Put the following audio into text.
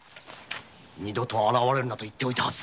二度と現れるなと言っておいたはずた。